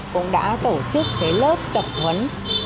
cũng đã tổ chức cái lớp tập huấn